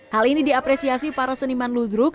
hal ini diapresiasi para seniman ludruk